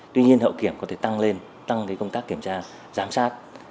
tuy nhiên hậu kiểm có thể tăng lên tăng công tác kiểm tra giám sát